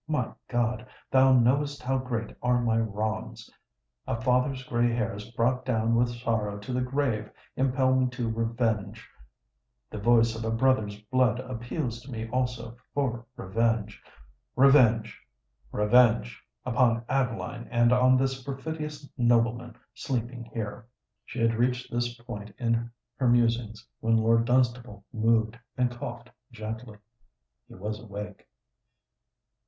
My God! thou knowest how great are my wrongs! A father's grey hairs brought down with sorrow to the grave impel me to revenge:—the voice of a brother's blood appeals to me also for revenge! Revenge—revenge—upon Adeline and on the perfidious nobleman sleeping here!" She had reached this point in her musings, when Lord Dunstable moved, and coughed gently. He was awake.